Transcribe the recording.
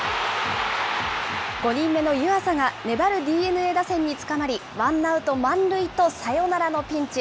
５人目の湯浅が粘るＤｅＮＡ打線につかまり、ワンアウト満塁とサヨナラのピンチ。